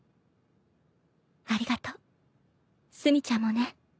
ありがとう炭ちゃんもね。